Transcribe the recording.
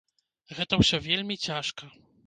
Гэта ўсё вельмі цяжка.